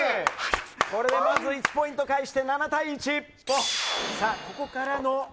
まず１ポイント返して７対１。